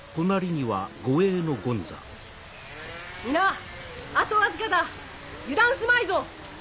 皆あとわずかだ油断すまいぞ！